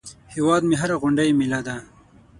هیواد مې هره غونډۍ مېله ده